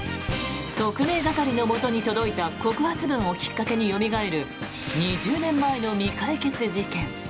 特命係のもとに届いた告発文をきっかけによみがえる２０年前の未解決事件。